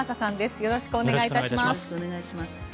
よろしくお願いします。